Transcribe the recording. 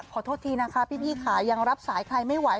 ขอโทษทีนะคะพี่ค่ะยังรับสายใครไม่ไหว